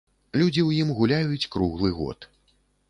Людзі ў ім гуляюць круглы год.